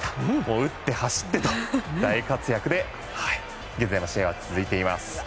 打って走ってと大活躍で現在も試合は続いています。